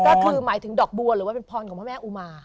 ก็คือหมายถึงดอกบัวหรือว่าเป็นพรของพระแม่อุมา